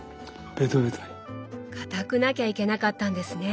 かたくなきゃいけなかったんですね！